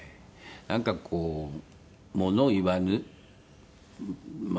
なんかこう物言わぬまあ